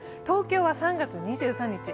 東京は３月２３日。